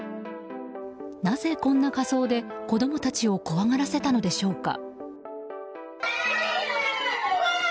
なぜ、こんな仮装で子供たちを怖がらせたのでしょうか。